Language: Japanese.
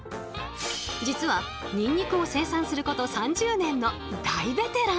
実はニンニクを生産すること３０年の大ベテラン！